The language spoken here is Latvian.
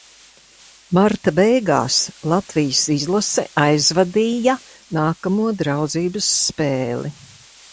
Marta beigās Latvijas izlase aizvadīja nākamo draudzības spēli.